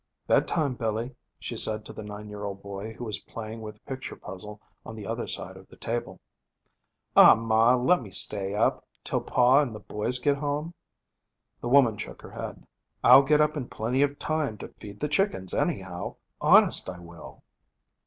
'Bed time, Billy,' she said to the nine year old boy who was playing with a picture puzzle on the other side of the table. 'Aw, ma, let me stay up, till pa and the boys get home.' The woman shook her head. 'I'll get up in plenty of time to feed the chickens, anyhow. Honest, I will.'